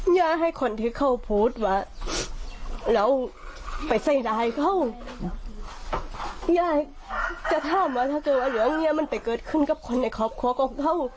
แย่จะถ้ามว่าถ้าเกิดว่าเหลืองเนี่ยมันไปเกิดขึ้นกับคนในครอบครัวกองเขา